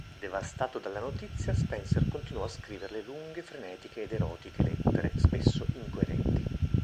Devastato dalla notizia Spencer continuò a scriverle lunghe, frenetiche ed erotiche lettere, spesso incoerenti.